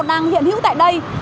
đang hiện hữu tại đây